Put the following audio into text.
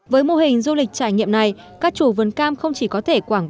với mô hình du lịch trải nghiệm này các chủ vườn cam không chỉ có thể quảng bá